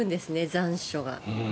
残暑が。